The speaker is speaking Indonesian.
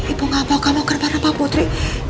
ibu gak mau kamu ke barang apa putri